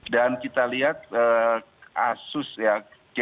dan kita lihat asus ya case fatality rate